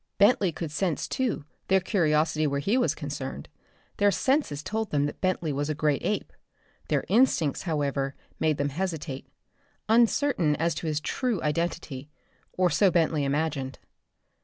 Bentley could sense too their curiosity where he was concerned. Their senses told them that Bentley was a great ape. Their instincts, however, made them hesitate, uncertain as to his true "identity" or so Bentley imagined.